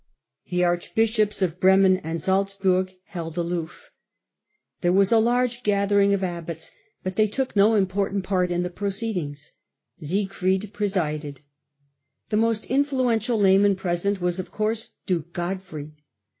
The archbishops of Bremen and Salzburg held aloof. There was a large gathering of abbots, but they took no important part in the proceedings. Siegfried presided. The most in fluential layman present was, of course, duke Godfrey.